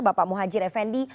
bapak mohajir effendi